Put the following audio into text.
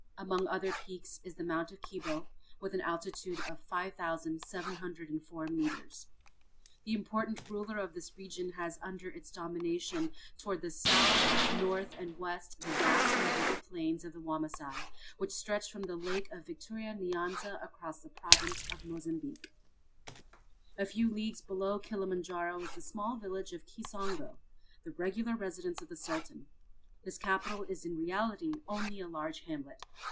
Among other peaks is the Mount of Kibo, with an altitude of 5,704 metres. The important ruler of this region has under his domination towards the south, north, and west the vast and fertile plains of Wamasai, which stretch from the lake of Victoria Nyanza across the province of Mozambique. A few leagues below Kilimanjaro is the small village of Kisongo, the regular residence of the Sultan. This capital is in reality only a large hamlet.